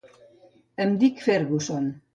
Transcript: Em dic Ferguson.